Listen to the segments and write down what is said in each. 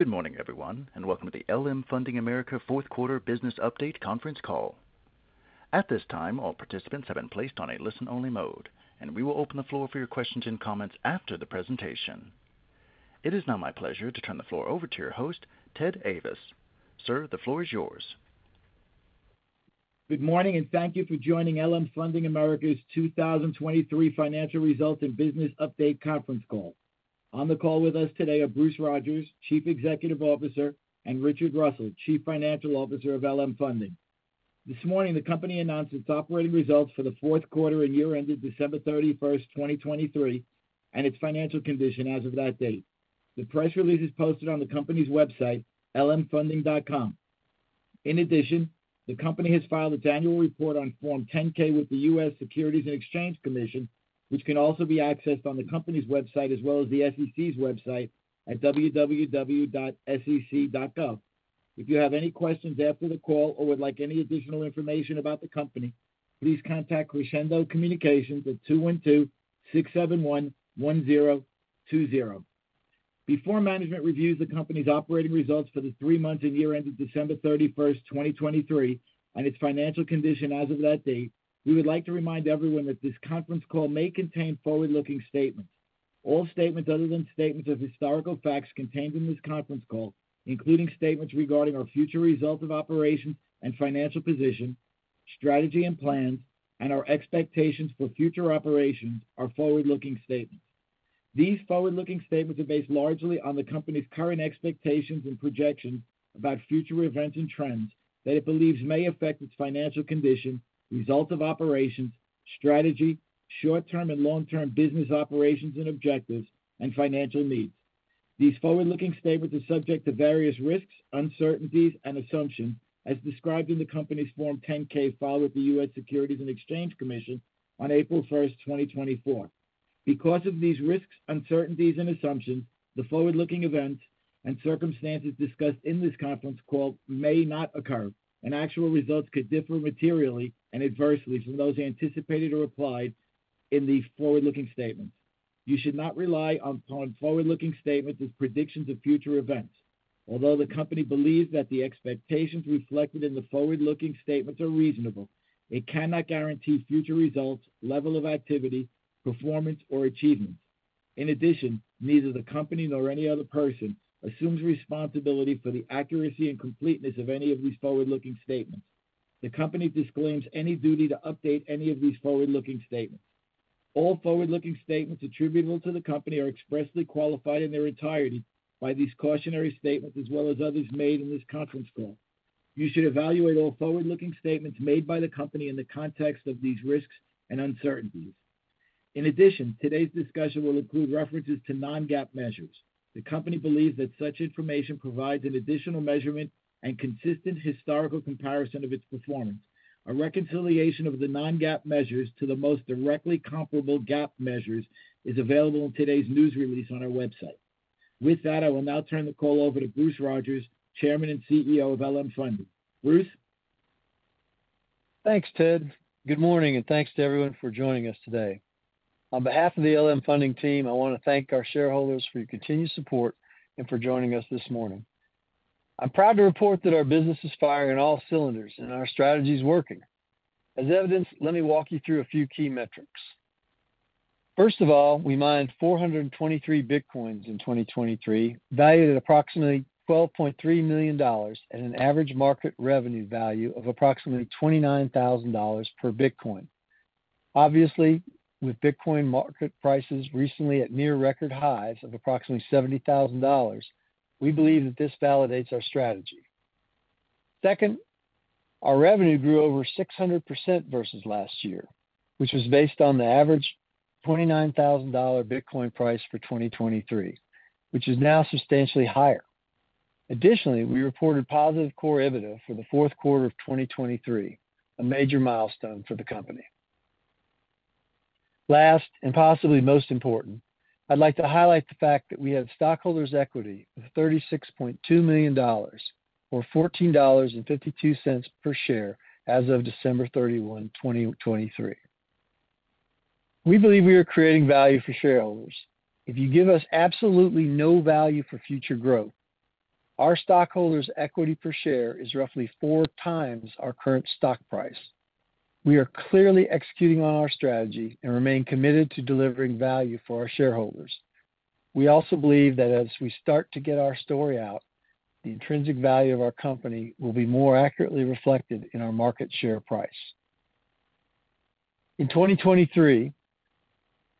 Good morning, everyone, and welcome to the LM Funding America fourth-quarter business update conference call. At this time, all participants have been placed on a listen-only mode, and we will open the floor for your questions and comments after the presentation. It is now my pleasure to turn the floor over to your host, Ted Ayvas. Sir, the floor is yours. Good morning, and thank you for joining LM Funding America's 2023 financial results and business update conference call. On the call with us today are Bruce Rodgers, Chief Executive Officer, and Richard Russell, Chief Financial Officer of LM Funding. This morning, the company announced its operating results for the fourth quarter and year-ended December 31st, 2023, and its financial condition as of that date. The press release is posted on the company's website, LMfunding.com. In addition, the company has filed its annual report on Form 10-K with the U.S. Securities and Exchange Commission, which can also be accessed on the company's website as well as the SEC's website at www.sec.gov. If you have any questions after the call or would like any additional information about the company, please contact Crescendo Communications at 212-671-1020. Before management reviews the company's operating results for the three months and year-ended December 31st, 2023, and its financial condition as of that date, we would like to remind everyone that this conference call may contain forward-looking statements. All statements other than statements of historical facts contained in this conference call, including statements regarding our future result of operations and financial position, strategy and plans, and our expectations for future operations, are forward-looking statements. These forward-looking statements are based largely on the company's current expectations and projections about future events and trends that it believes may affect its financial condition, result of operations, strategy, short-term and long-term business operations and objectives, and financial needs. These forward-looking statements are subject to various risks, uncertainties, and assumptions, as described in the company's Form 10-K filed with the U.S. Securities and Exchange Commission on April 1st, 2024. Because of these risks, uncertainties, and assumptions, the forward-looking events and circumstances discussed in this conference call may not occur, and actual results could differ materially and adversely from those anticipated or implied in the forward-looking statements. You should not rely upon forward-looking statements as predictions of future events. Although the company believes that the expectations reflected in the forward-looking statements are reasonable, it cannot guarantee future results, level of activity, performance, or achievements. In addition, neither the company nor any other person assumes responsibility for the accuracy and completeness of any of these forward-looking statements. The company disclaims any duty to update any of these forward-looking statements. All forward-looking statements attributable to the company are expressly qualified in their entirety by these cautionary statements as well as others made in this conference call. You should evaluate all forward-looking statements made by the company in the context of these risks and uncertainties. In addition, today's discussion will include references to non-GAAP measures. The company believes that such information provides an additional measurement and consistent historical comparison of its performance. A reconciliation of the non-GAAP measures to the most directly comparable GAAP measures is available in today's news release on our website. With that, I will now turn the call over to Bruce Rodgers, Chairman and CEO of LM Funding. Bruce? Thanks, Ted. Good morning, and thanks to everyone for joining us today. On behalf of the LM Funding team, I want to thank our shareholders for your continued support and for joining us this morning. I'm proud to report that our business is firing on all cylinders and our strategy is working. As evidence, let me walk you through a few key metrics. First of all, we mined 423 Bitcoins in 2023, valued at approximately $12.3 million, and an average market revenue value of approximately $29,000 per Bitcoin. Obviously, with Bitcoin market prices recently at near-record highs of approximately $70,000, we believe that this validates our strategy. Second, our revenue grew over 600% versus last year, which was based on the average $29,000 Bitcoin price for 2023, which is now substantially higher. Additionally, we reported positive Core EBITDA for the fourth quarter of 2023, a major milestone for the company. Last, and possibly most important, I'd like to highlight the fact that we have stockholders' equity of $36.2 million, or $14.52 per share as of December 31, 2023. We believe we are creating value for shareholders. If you give us absolutely no value for future growth, our stockholders' equity per share is roughly four times our current stock price. We are clearly executing on our strategy and remain committed to delivering value for our shareholders. We also believe that as we start to get our story out, the intrinsic value of our company will be more accurately reflected in our market share price. In 2023,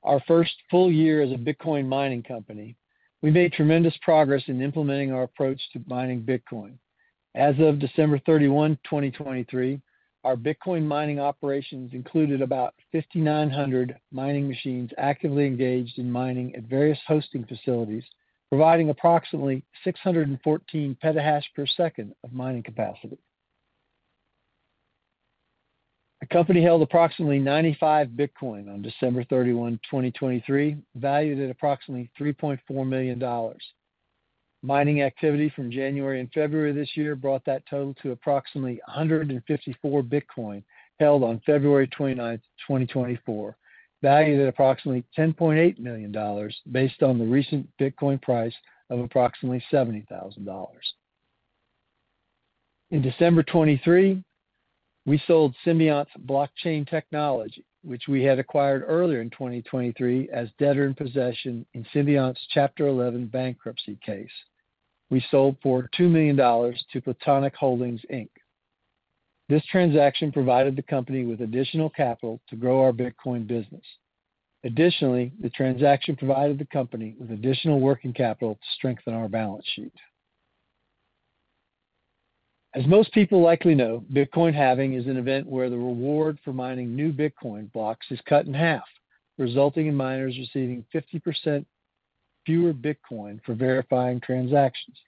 our first full year as a Bitcoin mining company, we made tremendous progress in implementing our approach to mining Bitcoin. As of December 31, 2023, our Bitcoin mining operations included about 5,900 mining machines actively engaged in mining at various hosting facilities, providing approximately 614 petahash per second of mining capacity. A company held approximately 95 Bitcoin on December 31, 2023, valued at approximately $3.4 million. Mining activity from January and February this year brought that total to approximately 154 Bitcoin held on February 29, 2024, valued at approximately $10.8 million based on the recent Bitcoin price of approximately $70,000. In December 2023, we sold Symbiont's blockchain technology, which we had acquired earlier in 2023 as debtor in possession in Symbiont's Chapter 11 bankruptcy case. We sold for $2 million to Platonic Holdings Inc. This transaction provided the company with additional capital to grow our Bitcoin business. Additionally, the transaction provided the company with additional working capital to strengthen our balance sheet. As most people likely know, Bitcoin halving is an event where the reward for mining new Bitcoin blocks is cut in half, resulting in miners receiving 50% fewer Bitcoin for verifying transactions.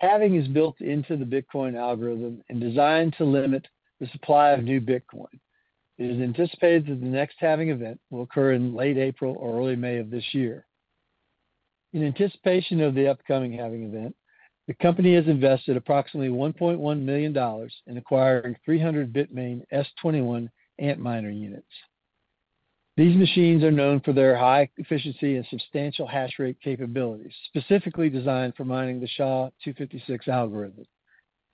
Halving is built into the Bitcoin algorithm and designed to limit the supply of new Bitcoin. It is anticipated that the next halving event will occur in late April or early May of this year. In anticipation of the upcoming halving event, the company has invested approximately $1.1 million in acquiring 300 Bitmain S21 Antminer units. These machines are known for their high efficiency and substantial hash rate capabilities, specifically designed for mining the SHA-256 algorithm.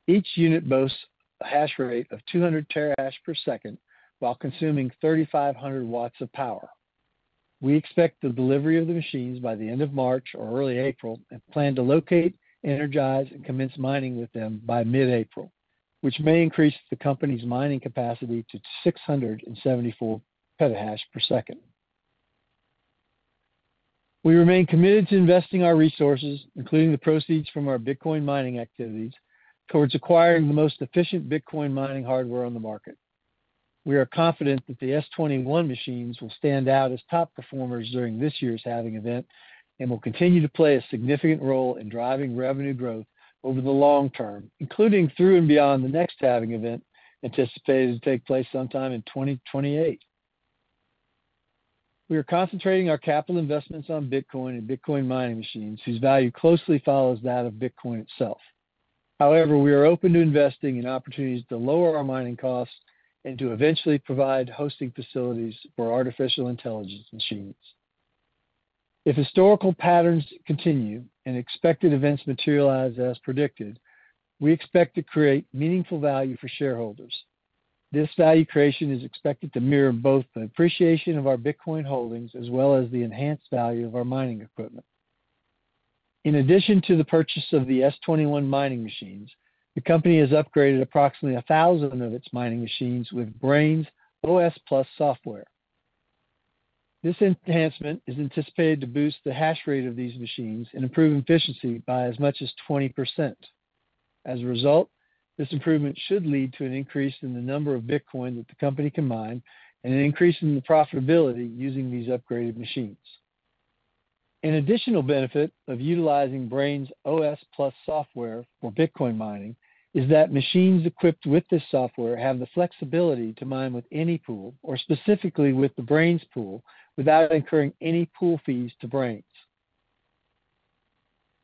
Each unit boasts a hash rate of 200 terahash per second while consuming 3,500 W of power. We expect the delivery of the machines by the end of March or early April and plan to locate, energize, and commence mining with them by mid-April, which may increase the company's mining capacity to 674 petahash per second. We remain committed to investing our resources, including the proceeds from our Bitcoin mining activities, towards acquiring the most efficient Bitcoin mining hardware on the market. We are confident that the S21 machines will stand out as top performers during this year's halving event and will continue to play a significant role in driving revenue growth over the long term, including through and beyond the next halving event anticipated to take place sometime in 2028. We are concentrating our capital investments on Bitcoin and Bitcoin mining machines, whose value closely follows that of Bitcoin itself. However, we are open to investing in opportunities to lower our mining costs and to eventually provide hosting facilities for artificial intelligence machines. If historical patterns continue and expected events materialize as predicted, we expect to create meaningful value for shareholders. This value creation is expected to mirror both the appreciation of our Bitcoin holdings as well as the enhanced value of our mining equipment. In addition to the purchase of the S21 mining machines, the company has upgraded approximately 1,000 of its mining machines with Braiins OS+ software. This enhancement is anticipated to boost the hash rate of these machines and improve efficiency by as much as 20%. As a result, this improvement should lead to an increase in the number of Bitcoin that the company can mine and an increase in the profitability using these upgraded machines. An additional benefit of utilizing Braiins OS+ software for Bitcoin mining is that machines equipped with this software have the flexibility to mine with any pool or specifically with the Braiins Pool without incurring any pool fees to Braiins.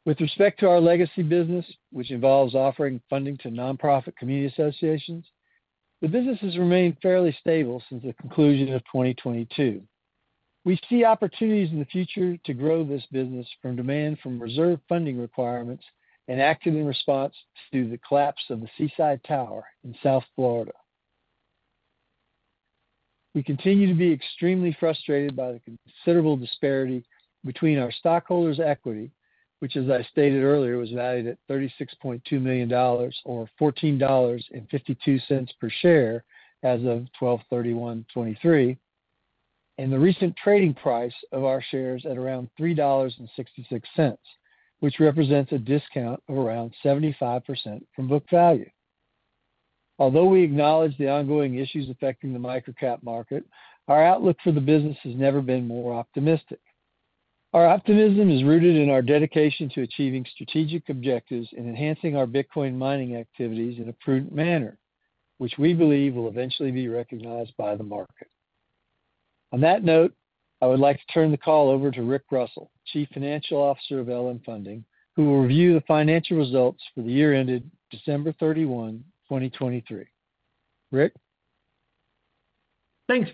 With respect to our legacy business, which involves offering funding to nonprofit community associations, the business has remained fairly stable since the conclusion of 2022. We see opportunities in the future to grow this business from demand from reserve funding requirements and active in response to the collapse of the Seaside Tower in South Florida. We continue to be extremely frustrated by the considerable disparity between our stockholders' equity, which, as I stated earlier, was valued at $36.2 million or $14.52 per share as of 12/31/2023, and the recent trading price of our shares at around $3.66, which represents a discount of around 75% from book value. Although we acknowledge the ongoing issues affecting the microcap market, our outlook for the business has never been more optimistic. Our optimism is rooted in our dedication to achieving strategic objectives and enhancing our Bitcoin mining activities in a prudent manner, which we believe will eventually be recognized by the market. On that note, I would like to turn the call over to Rick Russell, Chief Financial Officer of LM Funding, who will review the financial results for the year-ended December 31, 2023. Rick? Thanks,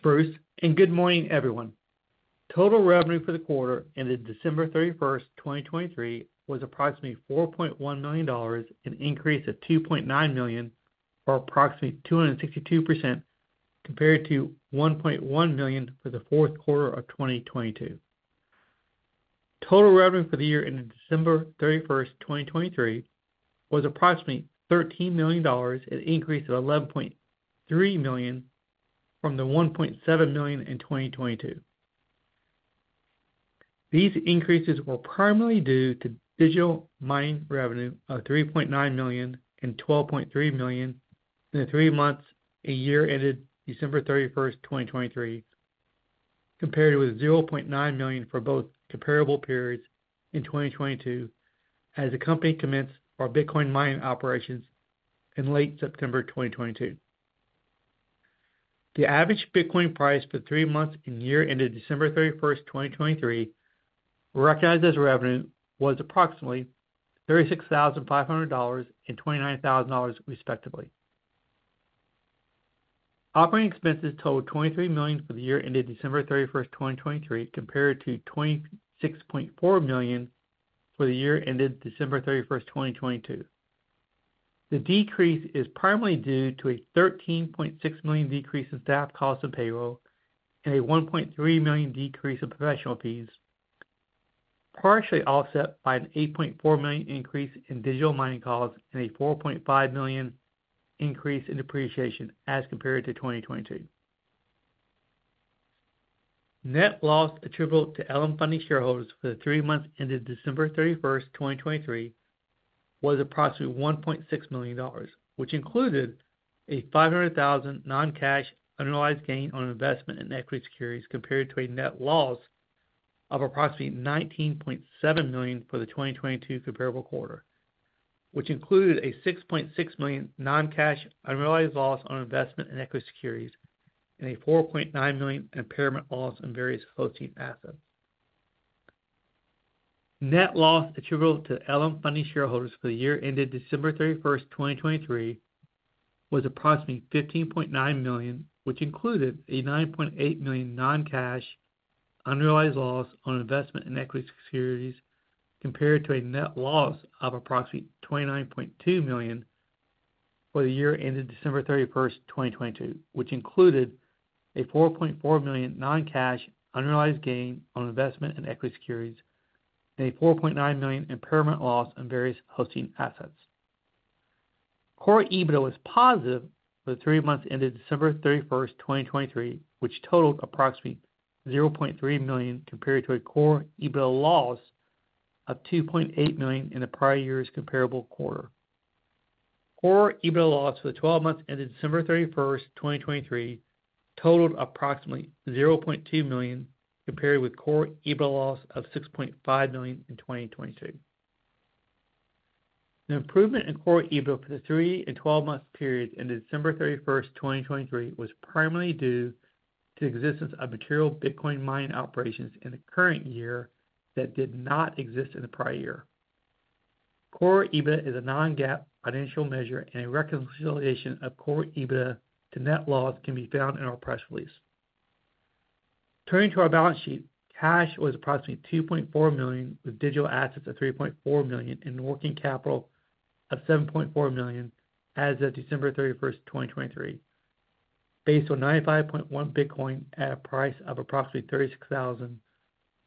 Bruce, and good morning, everyone. Total revenue for the quarter ended December 31st, 2023, was approximately $4.1 million, an increase of $2.9 million or approximately 262% compared to $1.1 million for the fourth quarter of 2022. Total revenue for the year ended December 31st, 2023, was approximately $13 million, an increase of $11.3 million from the $1.7 million in 2022. These increases were primarily due to digital mining revenue of $3.9 million and $12.3 million in the three months a year ended December 31st, 2023, compared with $0.9 million for both comparable periods in 2022 as the company commenced our Bitcoin mining operations in late September 2022. The average Bitcoin price for the three months and year ended December 31st, 2023, recognized as revenue, was approximately $36,500 and $29,000, respectively. Operating expenses totaled $23 million for the year ended December 31st, 2023, compared to $26.4 million for the year ended December 31st, 2022. The decrease is primarily due to a $13.6 million decrease in staff costs and payroll and a $1.3 million decrease in professional fees, partially offset by an $8.4 million increase in digital mining costs and a $4.5 million increase in depreciation as compared to 2022. Net loss attributable to LM Funding shareholders for the three months ended December 31st, 2023, was approximately $1.6 million, which included a $500,000 non-cash underlying gain on investment in equity securities compared to a net loss of approximately $19.7 million for the 2022 comparable quarter, which included a $6.6 million non-cash underlying loss on investment in equity securities and a $4.9 million impairment loss in various hosting assets. Net loss attributable to LM Funding shareholders for the year ended December 31st, 2023, was approximately $15.9 million, which included a $9.8 million non-cash underlying loss on investment in equity securities compared to a net loss of approximately $29.2 million for the year ended December 31st, 2022, which included a $4.4 million non-cash underlying gain on investment in equity securities and a $4.9 million impairment loss in various hosting assets. Core EBITDA was positive for the three months ended December 31st, 2023, which totaled approximately $0.3 million compared to a Core EBITDA loss of $2.8 million in the prior year's comparable quarter. Core EBITDA loss for the 12 months ended December 31st, 2023, totaled approximately $0.2 million compared with Core EBITDA loss of $6.5 million in 2022. The improvement in Core EBITDA for the three and 12-month periods ended December 31st, 2023, was primarily due to the existence of material Bitcoin mining operations in the current year that did not exist in the prior year. Core EBITDA is a non-GAAP financial measure, and a reconciliation of Core EBITDA to net loss can be found in our press release. Turning to our balance sheet, cash was approximately $2.4 million with digital assets of $3.4 million and working capital of $7.4 million as of December 31st, 2023, based on 95.1 Bitcoin at a price of approximately $36,000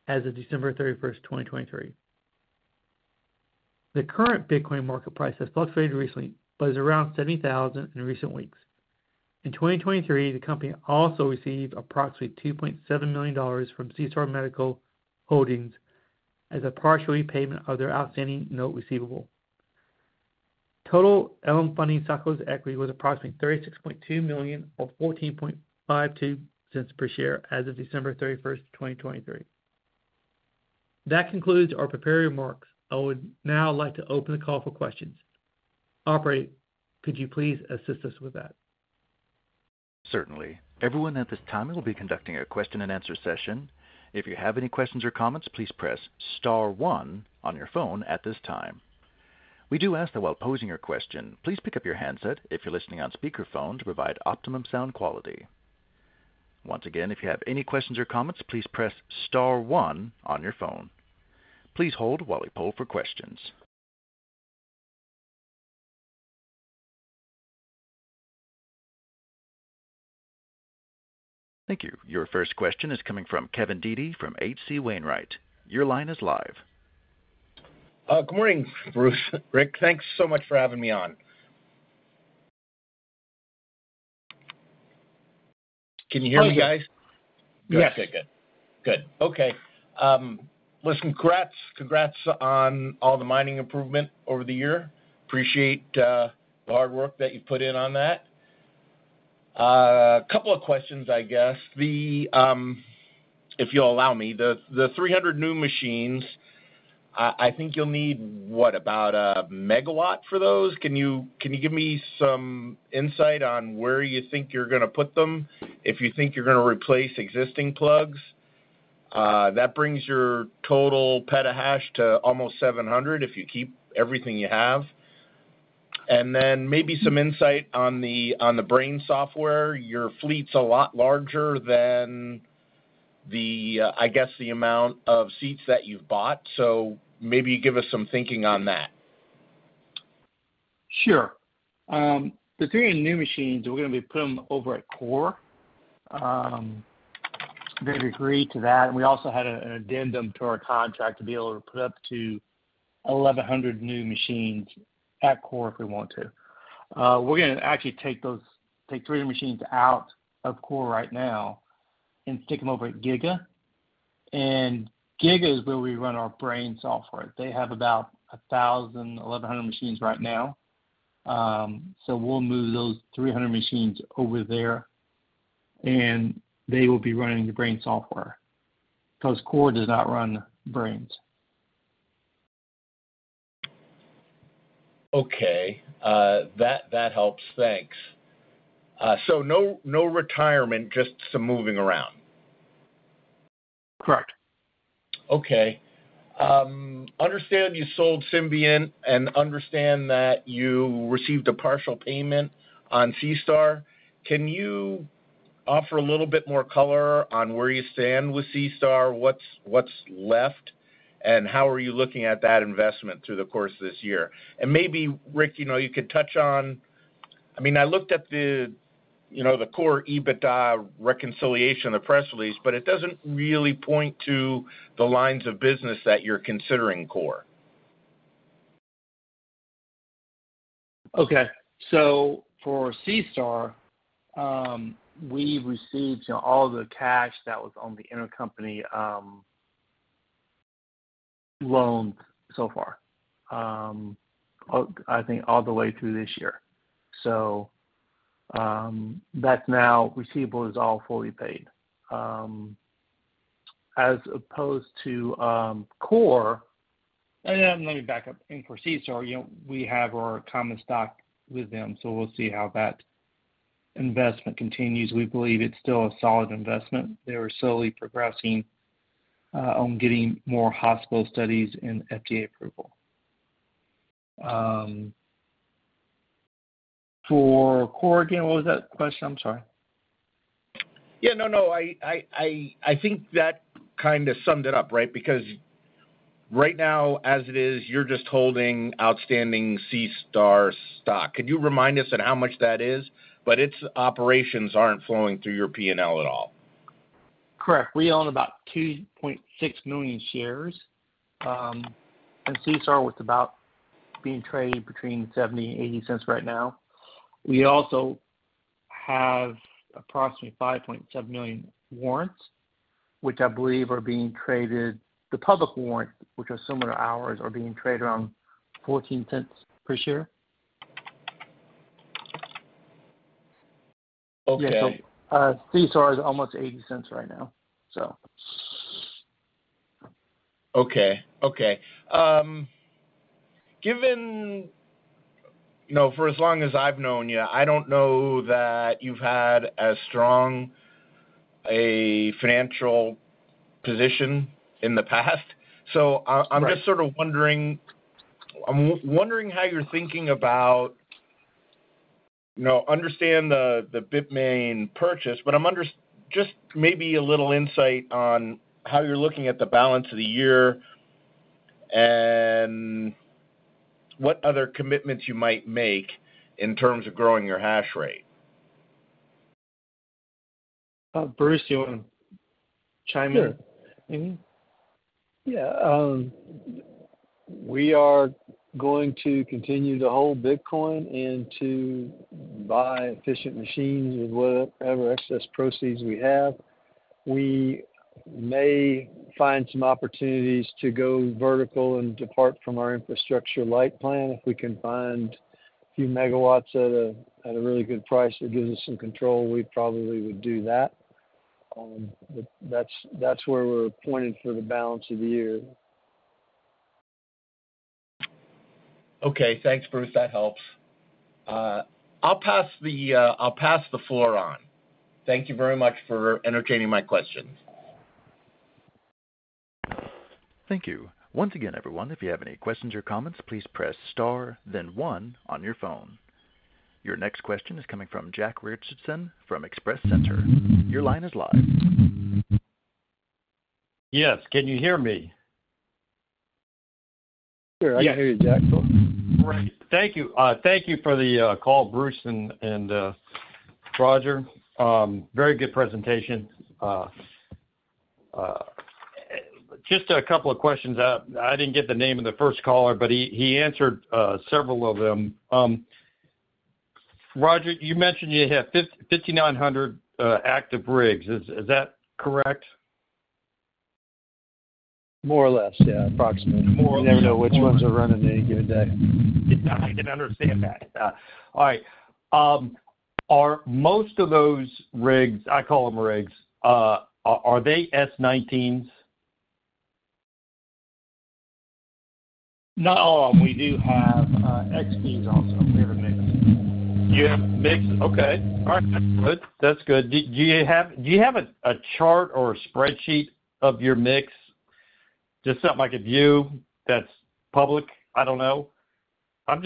as of December 31st, 2023. The current Bitcoin market price has fluctuated recently but is around $70,000 in recent weeks. In 2023, the company also received approximately $2.7 million from SeaStar Medical Holding as a partial repayment of their outstanding note receivable. Total LM Funding stockholders' equity was approximately $36.2 million or $14.52 per share as of December 31st, 2023. That concludes our preparatory remarks. I would now like to open the call for questions. Operator, could you please assist us with that? Certainly. Everyone at this time, it will be conducting a question-and-answer session. If you have any questions or comments, please press star one on your phone at this time. We do ask that while posing your question, please pick up your handset if you're listening on speakerphone to provide optimum sound quality. Once again, if you have any questions or comments, please press star one on your phone. Please hold while we poll for questions. Thank you. Your first question is coming from Kevin Dede from H.C. Wainwright. Your line is live. Good morning, Bruce. Rick, thanks so much for having me on. Can you hear me, guys? Yes. Good, good, good. Good. Okay. Listen, congrats. Congrats on all the mining improvement over the year. Appreciate the hard work that you've put in on that. A couple of questions, I guess. If you'll allow me, the 300 new machines, I think you'll need, what, about a megawatt for those? Can you give me some insight on where you think you're going to put them, if you think you're going to replace existing plugs? That brings your total petahash to almost 700 if you keep everything you have. And then maybe some insight on the Braiins software. Your fleet's a lot larger than, I guess, the amount of seats that you've bought. So maybe give us some thinking on that. Sure. The 300 new machines, we're going to be putting them over at Core. They've agreed to that. We also had an addendum to our contract to be able to put up to 1,100 new machines at Core if we want to. We're going to actually take 300 machines out of Core right now and stick them over at Giga. Giga is where we run our Braiins software. They have about 1,000-1,100 machines right now. So we'll move those 300 machines over there, and they will be running the Braiins software because Core does not run Braiins. Okay. That helps. Thanks. No retirement, just some moving around? Correct. Okay. I understand you sold Symbiont and understand that you received a partial payment on SeaStar. Can you offer a little bit more color on where you stand with SeaStar, what's left, and how are you looking at that investment through the course of this year? And maybe, Rick, you could touch on—I mean, I looked at the Core EBITDA reconciliation, the press release, but it doesn't really point to the lines of business that you're considering core. Okay. So for SeaStar, we received all of the cash that was on the intercompany loans so far, I think, all the way through this year. So that's now receivable is all fully paid. As opposed to Core, and let me back up. And for SeaStar, we have our common stock with them, so we'll see how that investment continues. We believe it's still a solid investment. They were slowly progressing on getting more hospital studies and FDA approval. For Core again, what was that question? I'm sorry. Yeah. No, no. I think that kind of summed it up, right? Because right now, as it is, you're just holding outstanding SeaStar stock. Could you remind us on how much that is? But its operations aren't flowing through your P&L at all. Correct. We own about 2.6 million shares, and SeaStar was about being traded between $0.70 and $0.80 right now. We also have approximately 5.7 million warrants, which I believe are being traded the public warrants, which are similar to ours, are being traded around $0.14 per share. Yeah. So SeaStar is almost $0.80 right now, so. Okay. Okay. For as long as I've known you, I don't know that you've had as strong a financial position in the past. So I'm just sort of wondering how you're thinking about understanding the Bitmain purchase, but just maybe a little insight on how you're looking at the balance of the year and what other commitments you might make in terms of growing your hash rate. Bruce, do you want to chime in? Sure. Maybe? Yeah. We are going to continue to hold Bitcoin and to buy efficient machines with whatever excess proceeds we have. We may find some opportunities to go vertical and depart from our infrastructure light plan. If we can find a few megawatts at a really good price that gives us some control, we probably would do that. But that's where we're pointing for the balance of the year. Okay. Thanks, Bruce. That helps. I'll pass the floor on. Thank you very much for entertaining my questions. Thank you. Once again, everyone, if you have any questions or comments, please press star, then one on your phone. Your next question is coming from Jack [Richardson] from Express Center. Your line is live. Yes. Can you hear me? Sure. I can hear you, Jack. Great. Thank you. Thank you for the call, Bruce and Rick. Very good presentation. Just a couple of questions. I didn't get the name of the first caller, but he answered several of them. Rick, you mentioned you have 5,900 active rigs. Is that correct? More or less, yeah, approximately. You never know which ones are running any given day. I can understand that. All right. Are most of those rigs I call them rigs? Are they S19s? Not all of them. We do have XPs also. We have a mix. You have mix? Okay. All right. That's good. That's good. Do you have a chart or a spreadsheet of your mix? Just something like a view that's public? I don't know. I'm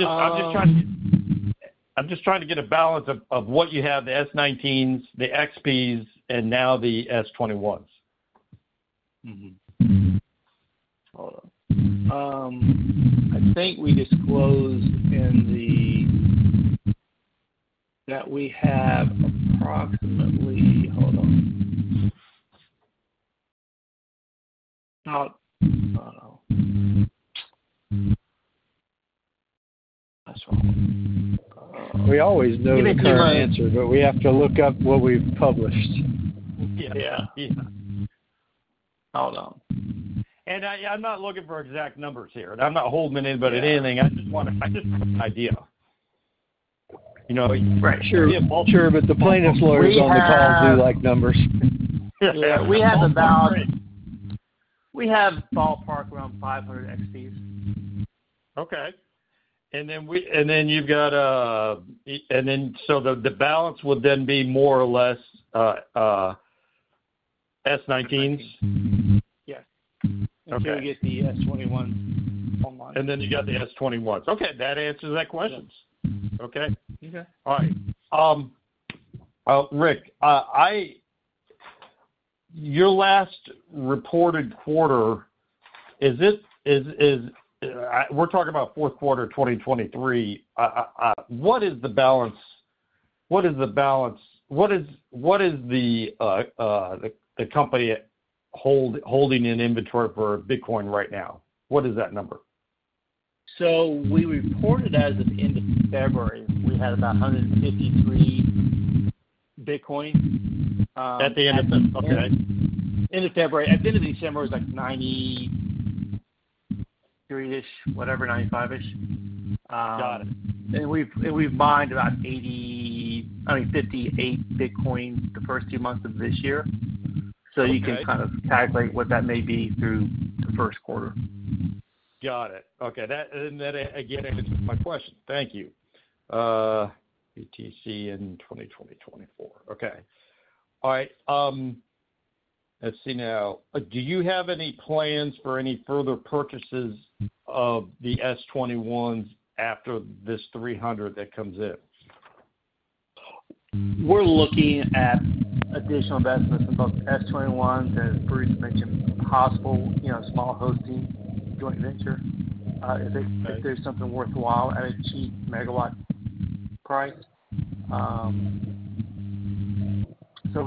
just trying to get a balance of what you have: the S19s, the XPs, and now the S21s. Hold on. I think we disclosed in the that we have approximately hold on. I don't know. That's wrong. We always know your answer, but we have to look up what we've published. Yeah. Yeah. Yeah. Hold on. I'm not looking for exact numbers here. I'm not holding anybody to anything. I just want an idea. Right. Sure. But the plaintiff's lawyers on the call do like numbers. Yeah. We have about ballpark around 500 XPs. Okay. And then you've got a and then so the balance would then be more or less S19s? Yes. Until we get the S21s online. And then you got the S21s. Okay. That answers that question. Okay. All right. Rick, your last reported quarter, is it we're talking about fourth quarter of 2023? What is the balance? What is the balance? What is the company holding in inventory for Bitcoin right now? What is that number? We reported as of the end of February, we had about 153 Bitcoin. At the end of February? Okay. End of February. At the end of December, it was like 93-ish, whatever, 95-ish. We've mined about 80, I mean, 58 Bitcoin the first two months of this year. So you can kind of calculate what that may be through the first quarter. Got it. Okay. And that, again, answers my question. Thank you. BTC in 2024. Okay. All right. Let's see now. Do you have any plans for any further purchases of the S21s after this 300 that comes in? We're looking at additional investments in both S21s and, as Bruce mentioned, possible small hosting joint venture if there's something worthwhile at a cheap megawatt price. So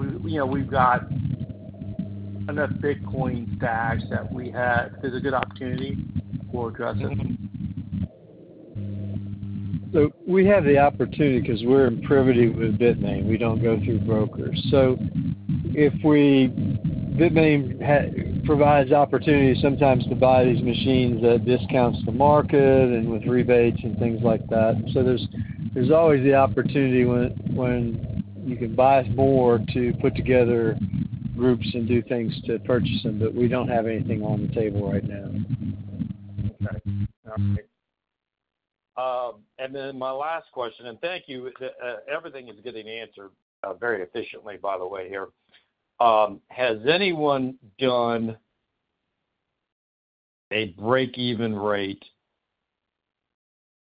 we've got enough Bitcoin stacks that we had if there's a good opportunity, we'll address it. So we have the opportunity because we're in privity with Bitmain. We don't go through brokers. So Bitmain provides opportunities sometimes to buy these machines at discounts to market and with rebates and things like that. So there's always the opportunity when you can buy more to put together groups and do things to purchase them, but we don't have anything on the table right now. Okay. All right. And then my last question, and thank you. Everything is getting answered very efficiently, by the way, here. Has anyone done a breakeven rate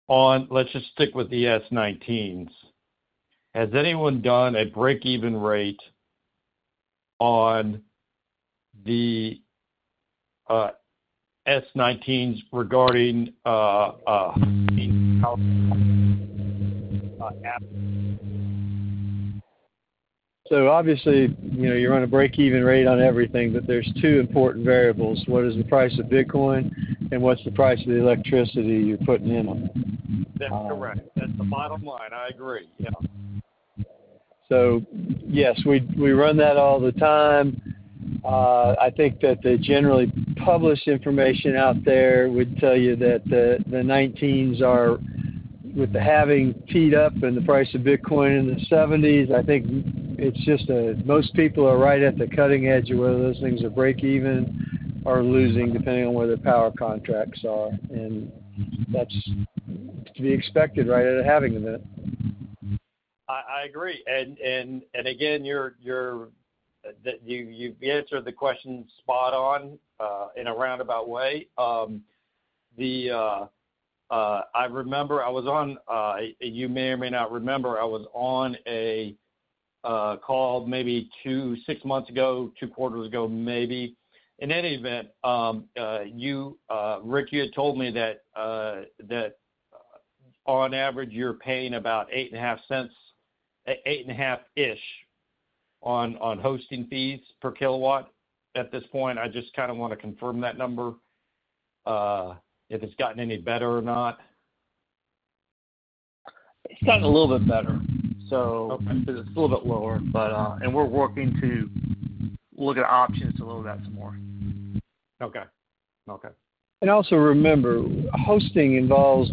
on let's just stick with the S19s? Has anyone done a breakeven rate on the S19s regarding? So obviously, you run a breakeven rate on everything, but there's two important variables. What is the price of Bitcoin, and what's the price of the electricity you're putting in them? That's correct. That's the bottom line. I agree. Yeah. So yes, we run that all the time. I think that the generally published information out there would tell you that the 19s are profitable having teed up and the price of Bitcoin in the $70,000s. I think it's just that most people are right at the cusp of whether those things are breakeven or losing depending on where the power contracts are. And that's to be expected, right, at a halving event. I agree. And again, you've answered the question spot on in a roundabout way. I remember I was on; you may or may not remember. I was on a call maybe six months ago, two quarters ago, maybe. In any event, Rick, you had told me that on average, you're paying about $0.085 – 8.5-ish – on hosting fees per kW at this point. I just kind of want to confirm that number, if it's gotten any better or not. It's gotten a little bit better, so it's a little bit lower. And we're working to look at options to lower that some more. Okay. Okay. Also remember, hosting involves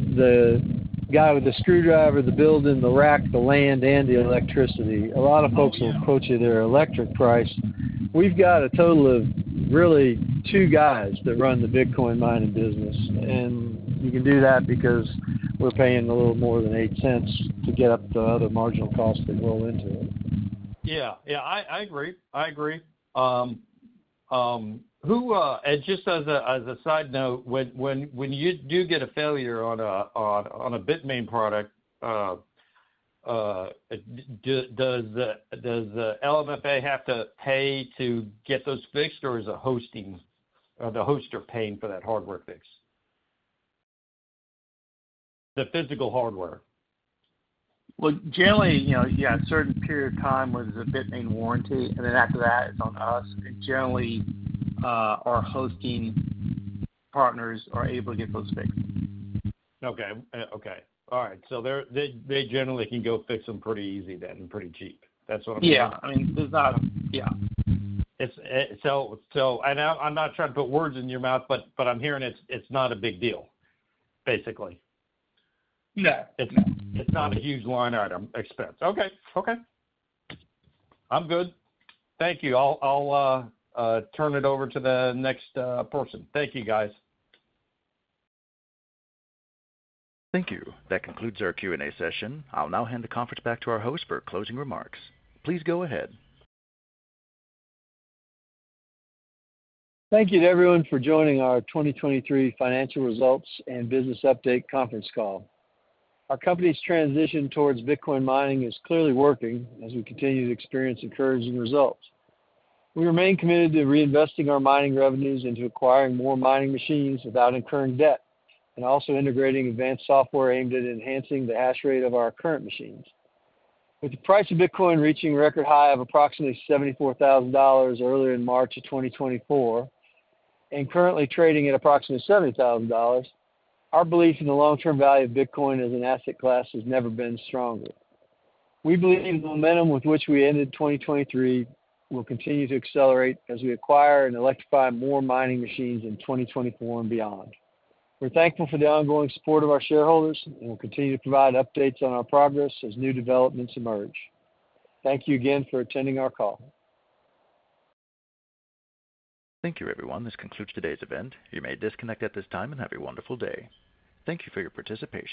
the guy with the screwdriver, the building, the rack, the land, and the electricity. A lot of folks will approach you at their electric price. We've got a total of really two guys that run the Bitcoin mining business. And you can do that because we're paying a little more than $0.08 to get up the other marginal costs that roll into it. Yeah. Yeah. I agree. I agree. And just as a side note, when you do get a failure on a Bitmain product, does LMFA have to pay to get those fixed, or is the host or the host are paying for that hardware fix, the physical hardware? Well, generally, yeah, a certain period of time with the Bitmain warranty, and then after that, it's on us. Generally, our hosting partners are able to get those fixed. Okay. Okay. All right. So they generally can go fix them pretty easy then and pretty cheap. That's what I'm hearing. Yeah. I mean, there's not yeah. I'm not trying to put words in your mouth, but I'm hearing it's not a big deal, basically. No. It's not a huge line item expense. Okay. Okay. I'm good. Thank you. I'll turn it over to the next person. Thank you, guys. Thank you. That concludes our Q&A session. I'll now hand the conference back to our host for closing remarks. Please go ahead. Thank you to everyone for joining our 2023 financial results and business update conference call. Our company's transition towards Bitcoin mining is clearly working as we continue to experience encouraging results. We remain committed to reinvesting our mining revenues into acquiring more mining machines without incurring debt and also integrating advanced software aimed at enhancing the hash rate of our current machines. With the price of Bitcoin reaching record high of approximately $74,000 earlier in March of 2024 and currently trading at approximately $70,000, our belief in the long-term value of Bitcoin as an asset class has never been stronger. We believe the momentum with which we ended 2023 will continue to accelerate as we acquire and electrify more mining machines in 2024 and beyond. We're thankful for the ongoing support of our shareholders, and we'll continue to provide updates on our progress as new developments emerge. Thank you again for attending our call. Thank you, everyone. This concludes today's event. You may disconnect at this time and have a wonderful day. Thank you for your participation.